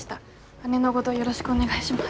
姉のごどよろしくお願いします。